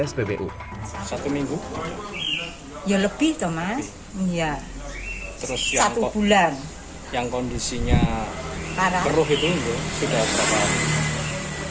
sbbu satu minggu ya lebih thomas iya terus satu bulan yang kondisinya parah itu lho sudah berapa